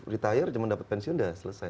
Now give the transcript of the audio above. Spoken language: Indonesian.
retire cuma dapat pensiun udah selesai